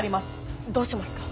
どうしますか？